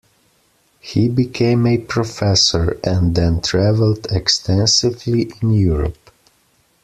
He became a professor, and then travelled extensively in Europe.